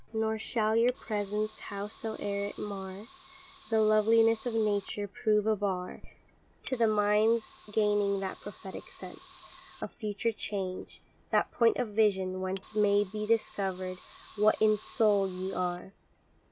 Nor shall your presence, howsoeŌĆÖer it mar The loveliness of nature, prove a bar To the mindŌĆÖs gaining that prophetic sense Of future change that point of vision, whence May be discoverŌĆÖd what in soul ye are.